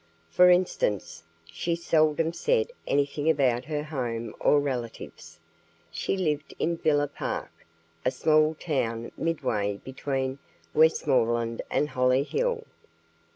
For instance, she seldom said anything about her home or relatives. She lived in Villa Park, a small town midway between Westmoreland and Hollyhill.